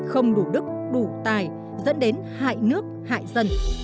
không đủ đức đủ tài dẫn đến hại nước hại dân